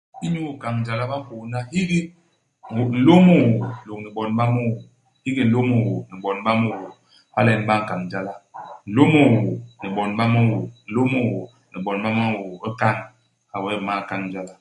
Inyu ikañ jala, ba mpôdna hiki ñô nlôm ñôô lôñni bon ba miñôô. Hiki nlôm ñôô ni bon ba miñôô. Hala nyen ba nkañ jala. Nlôm ñôô ni bon ba miñôô. Nlôm ñôô ni bon ba miñôô. Bi kañ. Hala wee u m'mal kañ jala.